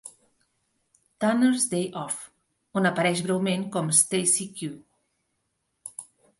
Tanner's Day Off, on apareix breument com Stacey Q.